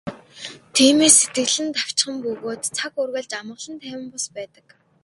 Тиймээс сэтгэл нь давчхан бөгөөд цаг үргэлж амгалан тайван бус байдаг.